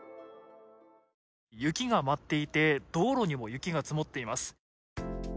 雪が舞っていて道路にも雪が積もっています。